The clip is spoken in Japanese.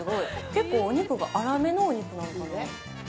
結構お肉が粗めのお肉なんかな。